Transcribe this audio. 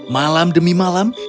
malam demi malam